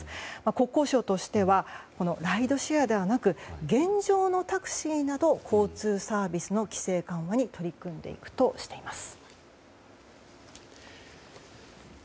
国交省としてはライドシェアではなく現状のタクシーなど交通サービスの規制緩和に取り組んでいくとしています。